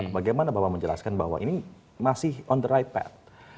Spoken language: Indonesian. bagaimana bapak menjelaskan bahwa ini masih on the right path